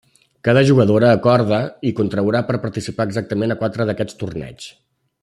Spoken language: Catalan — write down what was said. Cada jugadora acorda i contraurà per participar exactament a quatre d'aquests torneigs.